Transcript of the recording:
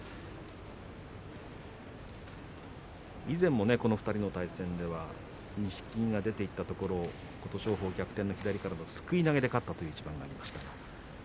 以前もこの２人の対戦では錦木が出ていったところを琴勝峰、逆転の左からのすくい投げで勝ったという一番がありました。